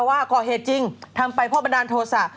ว่าก่อเหตุจริงทำไปเพราะบันดาลโทษะ